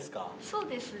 そうですね。